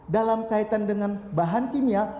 dalam kaitan dengan bahan kimia